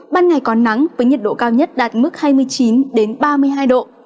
ban ngày còn nắng với nhiệt độ cao nhất đạt mức hai mươi chín đến ba mươi hai độ